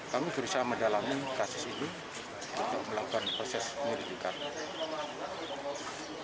kami berusaha mendalami kasis ibu untuk melakukan proses menyelidikannya